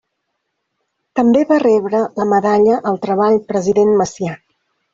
També va rebre la Medalla al treball President Macià.